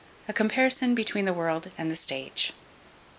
A comparison between the world and the stage.